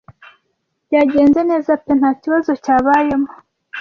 byagenze neza pe ntakibazo cyabayemo.”